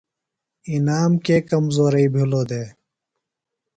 انعام کے کمزوئی بِھلوۡ دےۡ؟